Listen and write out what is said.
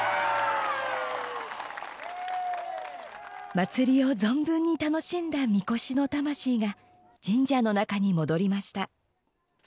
祭りを存分に楽しんだ神輿の魂が神社の中に戻りました。